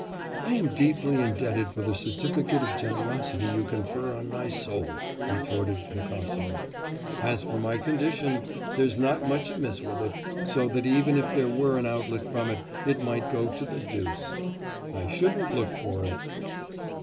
'I am deeply indebted for the certificate of generosity you confer on my soul,' retorted Pigasov. 'As for my condition, there's not much amiss with it, so that even if there were an outlet from it, it might go to the deuce, I shouldn't look for it!